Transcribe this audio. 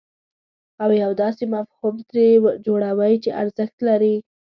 او یو داسې مفهوم ترې جوړوئ چې ارزښت لري.